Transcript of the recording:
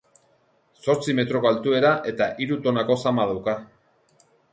Zortzi metroko altuera eta hiru tonako zama dauka.